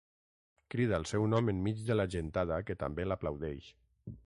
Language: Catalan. Crida el seu nom enmig de la gentada que també l'aplaudeix.